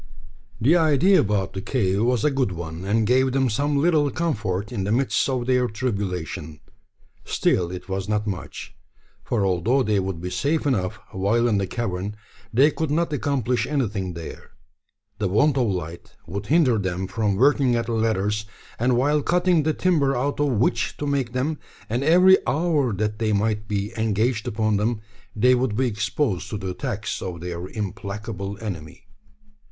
The idea about the cave was a good one, and gave them some little comfort in the midst of their tribulation. Still, it was not much; for although they would be safe enough while in the cavern, they could not accomplish anything there. The want of light would hinder them from working at the ladders; and while cutting the timber out of which to make them, and every hour that they might be engaged upon them, they would be exposed to the attacks of their implacable enemy.